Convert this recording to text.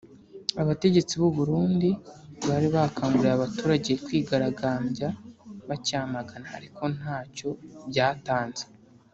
Abategetsi b’u Burundi bari bakanguriye abaturage kwigaragambya bacyamagana ariko ntacyo byatanze